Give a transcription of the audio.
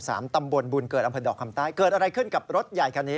ตำบลบุญเกิดอำเภอดอกคำใต้เกิดอะไรขึ้นกับรถใหญ่คันนี้